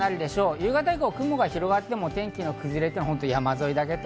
夕方以降、雲が広がっても、お天気の崩れは山沿いだけ。